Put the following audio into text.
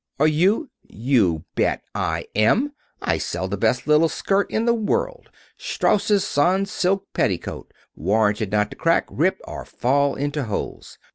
Are you " "You bet I am. I sell the best little skirt in the world. Strauss's Sans silk Petticoat, warranted not to crack, rip, or fall into holes.